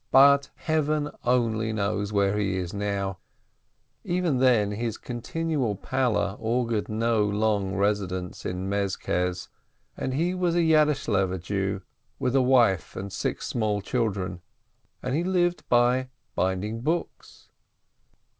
But Heaven only knows where he is now ! Even then his continual pallor augured no long residence in Mez kez, and he was a Yadeschlever Jew with a wife and six small children, and he lived by binding books.